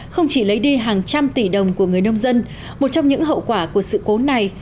không chỉ lấy đi hàng trăm tỷ đồng của người nông dân một trong những hậu quả của sự cố này